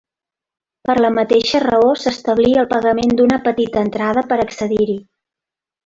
Per la mateixa raó s'establí el pagament d'una petita entrada per accedir-hi.